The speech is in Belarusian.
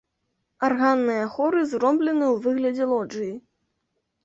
Арганныя хоры зроблены ў выглядзе лоджыі.